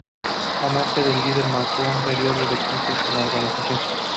La muerte del líder marcó un periodo de crisis en la organización.